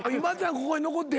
ここに残って。